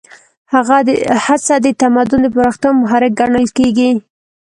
هڅه د تمدن د پراختیا محرک ګڼل کېږي.